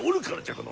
この